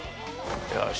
よし！